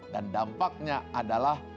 dan dampaknya adalah